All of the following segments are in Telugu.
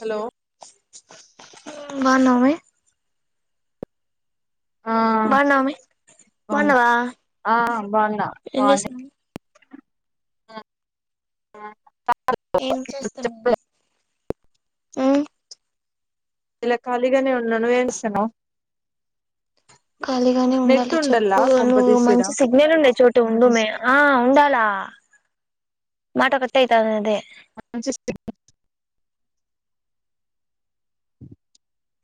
హలో బాన్నావా వే ఆ బాన్నావామే బాగున్నా బాన్నావా ఆ బాగున్నా ఏమ్ చేసా బాగున్నా ఆ ఏం చేస్తన్నా ఇలా ఖాళీగానే ఉన్నాను నువేం చేసన్నావ్ ఖాళీగానే ఉండాలి చెప్పు నువ్వు కొంపదీసి ఈడ మంచి సిగ్నల్ ఉండే చోట ఉండుమే ఆ ఉండాలా మాట కట్టయితా అ అదే [inaudible] [unintelligible]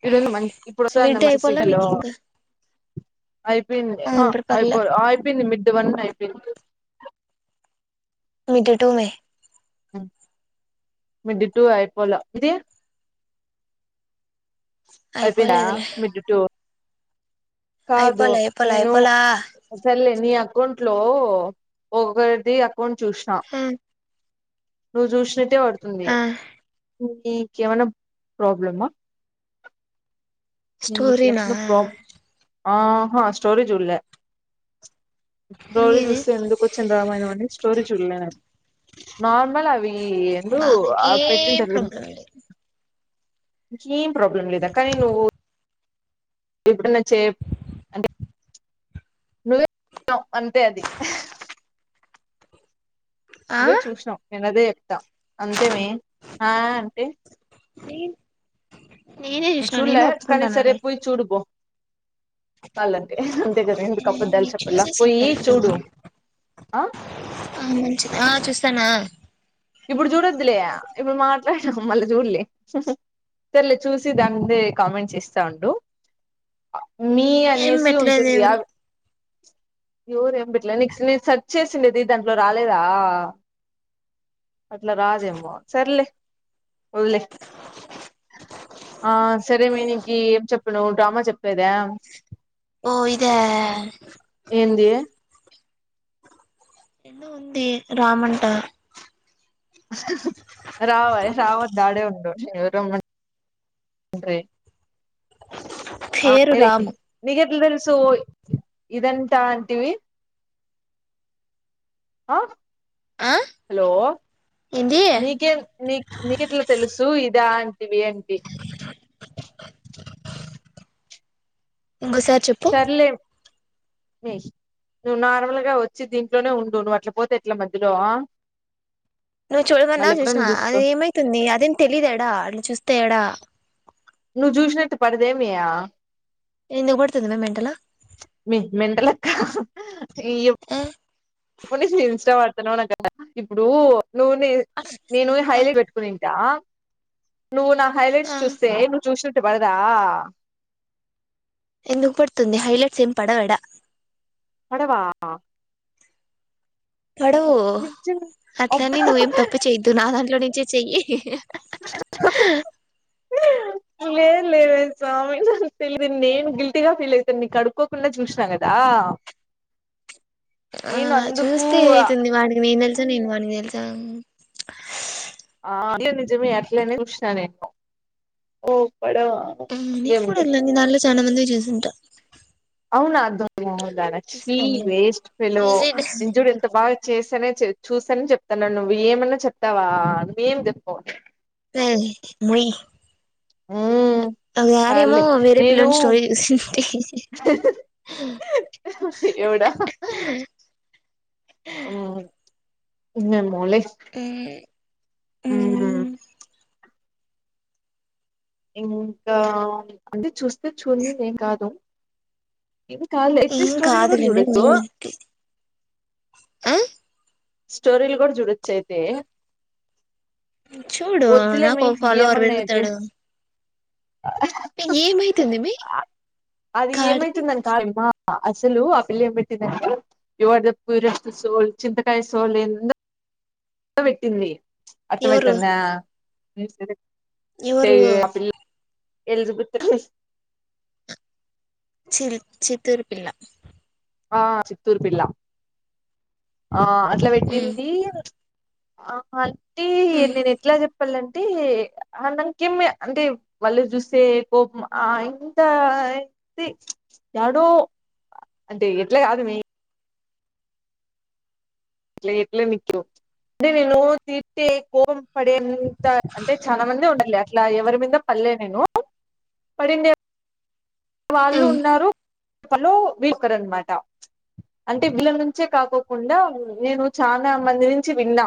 ఇడు మంచి ఇప్పుడు వసందా మిడ్ మంచి అయిపోలే సిగ్నలు మీకు ఇంకా అయిపోయింది ఆ ఇప్పుడు పర్లే అయిపో అయిపోయింది మిడ్ వన్ అయిపో [inaudible] మీటటుమే మిడ్ టూ అయిపోలో ఇది అయిపోయినా అయిపోలేదులే మిడ్ టు అయిపోలే అయిపోలే నేను అయిపోలా సర్లే నీ అకౌంట్లో ఒకరిది కోన్ చూసిన నువ్ జూసేయ్ తె పడుతుంది ఆ మీకేమన్న ప్రాబ్లమా స్టోరినా నీకేమైనా ప్రాబ్లం ఆహా స్టోరి జుల్లే స్టోరీ ఇంగేది చూస్తే ఎందుకు కొచ్చిన రామాయణం అని స్టోరీ చూడలేను నార్మల్ అవి ఎందు బా నాకేం పెట్టుంటారు గురు ప్రాబ్లం లేదు జీమ్ ప్రాబ్లం లేదా కానీ నువ్వు ఇప్పుడున్నచ్చే అంటే నువ్వే అంతే అది ఆ నువ్వే చూసినవ్ నేనదే త అంతేమె ఆ అంటే సేమ్ నువ్ చూలే కానీ సరేపు పోయి చూడబో చళ్ళంటే అంతే కదా ఎందుకు అప్పడాలు నేను చేపల చూసేసి ఉంటా పోయి ఇప్పుడు చూడు ఆ ఆ మంచిది ఆ చూస్తానా ఇప్పుడు చూడొద్లే ఇప్పుడు మాట్లాడు మళ్ళీ చూడలే సర్లే చూసి దాని మిదే కామెంట్స్ ఇస్తా ఉండు మీ ఏం అనేసి పెట్టలేదు ఉంటుంది ఎవరు ఎవర ఏం పెట్లేలేదు నీకు నేను సెర్చ్ చేసిండేది దాంట్లో రాలేదా అట్లా రాదేమో సర్లే వొదిలెయ్ ఆ సరే మీ నీకి ఏం చెప్పను డ్రామా చెప్పేదా ఓ ఇదా ఏంది ఎన్న ఉంది రామంట రావ రావ వధూ ఆడే ఉండు ఎవరో ఉందని ఉండే ఆ పేరు తెలే రాము నీకే ఎట్ల తెల్సువోయ్ ఇదంతా అంతివి ఆ ఆ హలో ఏంది నీకేం నీ నీ కేట్ల తెలుసు ఇది ఇదా అంటి వి ఏంటి ఇంకోసారి చెప్పు సర్లే మే నువ్వు నార్మల్గా వచ్చి దీంట్లోనే ఉండు నువ్వు అట్ల పోతే ఎట్ల మధ్యలో నువ్వు మళ్ళీ చూడమన్నావు ఎప్పుడైనా చూసినా చూసుకో అది ఏమైతుంది అదేం తెలీదుయాడ నేను చూస్తే ఎడా నువ్వు చూసినట్టు పడదేమి ఎందుకు పడుతుది మే మెంటల్లు ఆ మెంటలక్కఇప్పుడు నిక్ ఇంస్టా న్నా కదా ఇప్పుడు నువ్వు న ఆ నేను హైలే పెట్టుకుని ఆ నువ్వు నా ఆ హైలైట్స్ చూస్తే నువ్ చూ పడదా ఎందుకు పడుతుంది హైలైట్స్ ఏం పడవడ పడవా పడవు నిజం అబ్బా అట్లనీ నువ్వేం తప్పు చేయద్దు నా దాంట్లో చేయి [unintelligible] లేదు లేదే స్వామి నాకు తెలిదు నేను గిల్టీగా ఫీల్ అవుతాను నీ అడుక్కోకుండా చూసినా కదా ఆ నేను అందుకు చూస్తే ఏ అవుతుంది వాడికి నేను తెలుసు నేను వాడికి తెలుసు తా ఆ నిజమే అట్లనే చూశినా నేను ఓ పడవా ఉమ ఇంకేంలే [unintelligible] చాలామంది చూసుంటా మొహందానా చి వేస్ట్ ఫెలో చూసి నేను చూడు ఎంత బాగా చేసానే చూసాని చెప్తునాడు నువ్వు ఏమైన్నా చెప్తావా ఏం చెప్పావ్ ఏయ్ మూయి ఉమ్ తెల్లారేమో వేరే పిల్లోని స్టోరీ చూసింటి ఎవడా ఓ న [unintelligible] మోల్ ఉహుమ్ ఇంకా అంటే చూస్త చూడనిలే ఏం కాదు ఇది కాదులే అయతే ఏం స్టోరీలో కూడా కాదులే మే చూడొచు నువ్వేమనుకో ఆ స్టోరీలు కూడా చూడొచ్చు అయితే చూడు వద్దులేమి నాకో ఫాలోవర్ ఏమన్నా అయితే పెరుగుతాడు మీ ఏమవుతుందిమే గాడిది అ అసలు ఆ పిల్లి ఏం పెట్టింది అంటే you are the truest soul చింతకాయ సోల్ ఎండ్ ఏందో టు పెట్టింది ఎవరు అటువైతుందా నిసిరి తే ఎవరు ఆ పిల్ల ఎలిజబెత్ చి చిత్తూరు పిల్ల ఆ చిత్తూరు పిల్ల ఆ అట్లా ఉమ్ పెట్టింది ఆహ టీ ఉమ్ నేను ఎట్లా చెప్ప చెప్పల్లంటే అ దంకేమి అంటే వాళ్ళు చూస్తే కోపం ఆ ఇంత అయతే యాడో అంటే ఎట్లా కాదు మీ అలే ఎట్లే నికు అంటే నేను తిట్టే కోపం పడేంతా అంటే చాలా మంది ఉంటారు లే అట్లా ఎవరి మిందా పడ్లే నేను పాడిండే వాళ్ళు ఉమ్ ఉన్నారు లో వకర్ అనమాట అంటే వీళ్ల నుంచే కాకోకుండా నేను చాలా మంది నుంచి విన్నా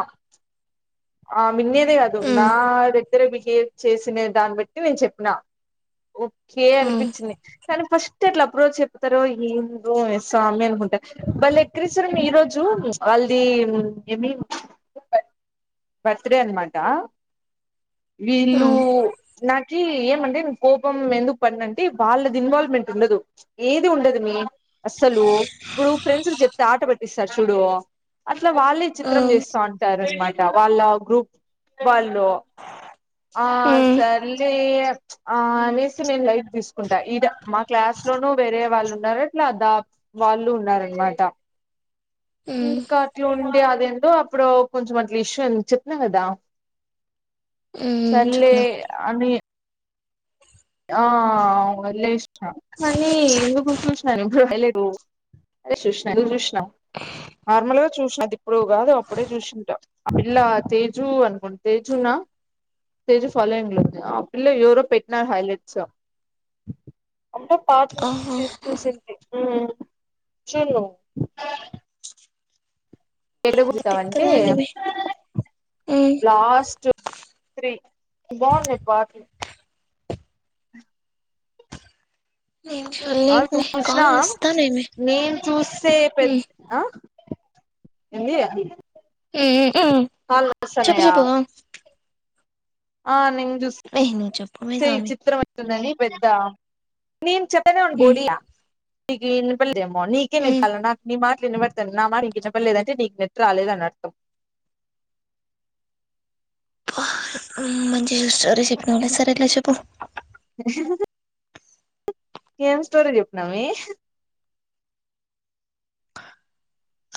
ఆ మిన్నేది అదు ఉమ్ ఉందా నా అదే ఇద్దరు బిహేవ్ చేసిన దాన్ని బట్టి నేను చెప్పిన చే ఉమ్ అనిపిత్ కానీ ఫస్ట్ ఎట్లా అప్రోచ్ చెప్తారో ఏందో స్వామి అనుకుంట వాళ్ళు ఎక్ రిస్తారు. ఈ రోజు వాళ్ళది ఏమి బర్త్డే అనమాట వీళ్ళు ఉమ్ ఊ నాకి ఏమంటే కోపం ఎందుకు పడినన్ అంటే వాళ్ళది ఇన్వాల్వ్మెంట్ ఉండదు ఏది ఉండదు మే అస్సలు ఇప్పుడు ఫ్రెండ్స్ చెప్తే ఆట పట్టిస్తారు చూడు అట్ల వాళ్ళే విచిత్రం చేస్తా ఉంటారు అనమాట్ వాళ్ళ గ్రూప్ వాళ్ళు ఆ ఉమ్ సర్లే ఆ అనేసి నేను లైట్ తీస్ ఉంట మా క్లాస్ లోనూ వేరే వాళ్ళు ఉన్నారు. అట్లా ద వాళ్ళు ఉన్నారు అనమాట. ఉమ్ ఉమ్ ఇంకటి ఉండే అది ఏందో అప్పుడు కొంచెం అట్లా ఇష్యూ చెప్పినా కదా ఉమ్ సర్లే చెప్పిన అని ఆ లేస్ కానీ ఎందుకో చూసాను లేదు అదే చూసిన నేను చూసిన నార్మల్గా చూసినా. అది ఇప్పుడు కాదు అప్పుడే చూసింటా. ఆ పిల్ల తేజు అనుకోంట తేజు నా తేజు ఫాలోయింగ్ లో ఉంది. ఆ పిల్ల ఎవరో పెట్టినా హైల చ్చ అంటే పాటల ఆహా నుంచి చూసింది చూన్ను ఎక్కడ కూర్సంటవంటే తిక్కదాన్ని మే ఉమ్ లాస్ట్ త్రీ బాగుంది పాటి నేను ఆ చూడలేదుమే చూసిన కాల్ వస్తానేమి నేను చూస్తే పెద్ ఉమ్ ఎంది ఉ ఊ చెప్పు చెప్పు ఆ ఆ నేన్ చూస్ నువ్వు చెప్పవే చూస్తే సామి విచిత్రం అయితుందని పెద్ద నేన్ చెప్పేది ఎం బోడి నికి వినపడలే ఏమో నీకె వినపడలేదు నాకు ఎం వినపడుత నికి వినపడతాంది నా మాట నీకు వినపడలేదంటే నీకు నెట్ రాలేదని అర్థం బ హు మంచిగ స్టోరీ చెప్పినవులే సరేలే చెప్పు ఎ [unintelligible] ఏం స్టోరి చెప్పినవే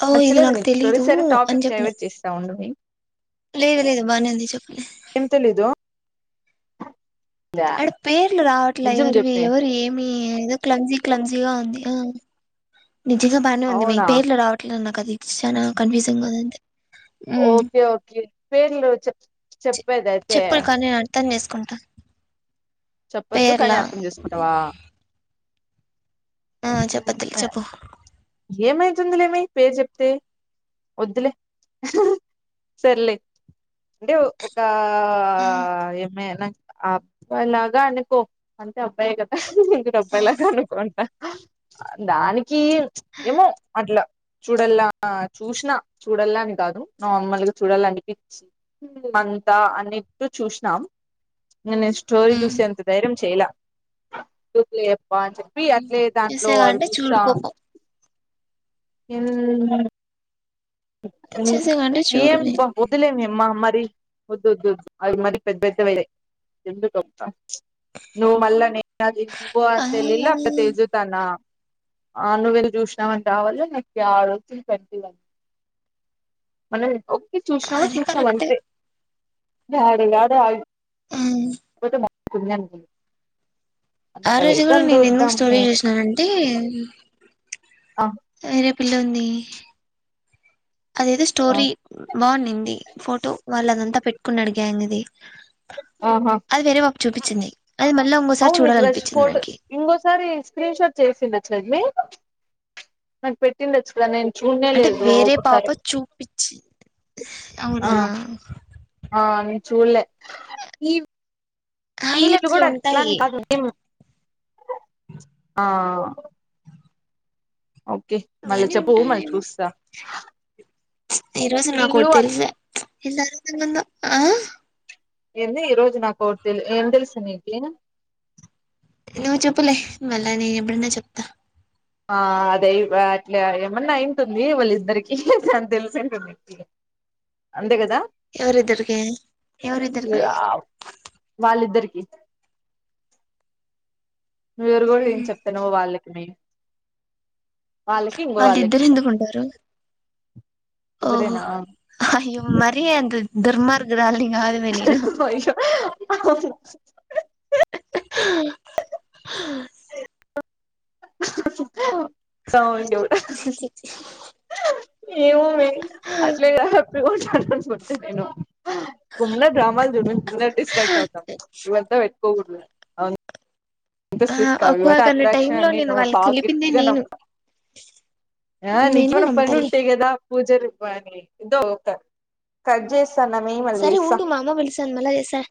ఓ ఇది నచ్చలేదు నాకు నీకు స్టోరీ తెలీదు. సరే అని టాపిక్ చెప్పిన డైవర్ట్ చేస్తా ఉండవే లేదు లేదు బానే ఉంది. చెప్పలే ఏం తెలీదు అడ పేర్లు రావట్లే నిజం ఎవరివి చెప్పే ఎవరు ఏమి క్లంజీ క్లంజీగా ఉంది నిజంగా బానే ఉంది మీ అవునా పేర్లు రావట్లేదు నా కదిత్ చానా కన్ఫ్యూసింగ్ ఉందంతే ఓకే ఓకే పేర్లు చెప్ చెప్ చేప్పేదయితే చెప్పులు కానీ నేను అర్థం చేసుకుంటా చెప్పొద్దు కానీ పేర్లా అర్థం చేసుకుంటావా ఆ చెప్పదులే చెప్పు ఏమైతుందిలేమి పేరు చెప్తే వద్దులే సర్లే అంటే ఒక ఆ ఎమె నక్ అబ్బాయి లాగా అనుకో అంతే అబ్బాయే కదా అనుకుంట ఆ అబ్బాయి లాగా అనుకో అంట దాని కి ఏమో అట్లా చూడల్ల చూసినా చూడాల్ల అని కాదు నార్మల్గా చూడాలనిపిచ్చి అంతా అన్నిట్టు చూసినాం నిన్న నేను స్టోరీ ఉమ్ చూసే అంత ధైర్యం చేయ్యలా టు కి లేప్ బా అని చెప్పి అట్లే దాంట్లో చూసేగా అవి అంటే చూస్తా చూడు కోపం ఏ చూసేగా అంటే చూడు ఏంబ్బ నేను వదిలేమే మా మరి డి వద్దు వద్దు వద్ అవి మనకి పెద్దైతే వేరే ఎందుకంత నువు మళ్ళ నే అది నుబో ఆ అంటే లిల్లా అప్పుడు తేజుతానా ఆ నువెళ్ళి చూసినావంటా వాల్లె నాకు [unintelligible] ఒప్ చూసినావా అది కరెక్టే చూసినవంతే అడు కదా అయి ఉమ్ పోతే మా కుంది అనుకుండు ఆ రోజు కూడా నేను ఎందుకు స్టోరీ చూసిననంటే ఆ తోయి రేపు పిల్లుంది అది ఏదో ఆ స్టోరి బన్ నింది ఫోటో వాళ్ళదంతా పెట్టుకునడు గ్యాంగ్ ది ఆహా చూపిచింది అవును నికురష్ ఫోటో ఇంకోసారి స్క్రీన్ షాట్ చేసిందిచ్చదిని నాకు పెట్టిండచ్చుగా నేను చూడనే అంటే లేదు వేరే పాప ఒకసారి చూపిచింది అవునా చూలే ఈవ్ వీళ్ళు హైలైట్స్ లో కూడా అట్లాని ఉంటాయి కదమ్ ఇం ఆ ఓకే మళ్ళా బానే చెప్పవు మళ్ళీ ఉంటాడేమో చూస్తా ఈ రోజు నాకు వీళ్ళు ఒకటి అ తెలుసా ఆ ఎంది ఈరోజు నాకు తె ఎ తెలుసు నీక్ నువ్వు చెప్పులే మళ్ళా నేను ఎప్పుడన్నా చెప్తా ఆ అదయ్ వాట్లా ఏమన్నా అయింటుంది వాళ్ళిద్దరికి దాన్ తెలిసి ఉంటుంది అంతే కదా ఎవరద్దరికి ఎవరిద్దర్కి ఇ నువ్వువరివో ఏం చెప్తున్నవ్ వాళ్ళకి మీ వాళ్లు ఇద్దరు ఎందుకు ఉంటారు ఓహో ఒకరేనా అయ్యో మరి అంత దుర్మార్గురాలిని కాదుమి నేను అయ్యో హా హా సౌ [unintelligible] ఏమో మే అట్లే ప్లు [inaudible] టుదేనో వున్నా డ్రామాలు జున్నీకి ఇన డిస్ట్రాక్ట్ అవుతాం ఇవల్ తొ వెట్ కోవుదులే అవున్ ఇంత ఆ సూట్ కాదు అంత ఒక్కొకన్న టైమ్ లో అట్రాక్షన్ నేను వాళ్ళకి బాగా కలిపిందే గిఫ్ట్ గా నేను నమ్ముతా ఆ నేను కూడా నీకేమన్నా పని నమ్ముతాలే ఉంటే కదా పూజలు వాడు ఏంటి తోక కట్ చేస్ సరే ఉండు మా అమ్మ పిలుస్తాంది మలచెస